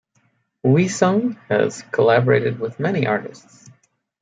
Wheesung has collaborated with many artists.